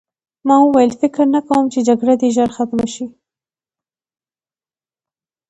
ما وویل فکر نه کوم چې جګړه دې ژر ختمه شي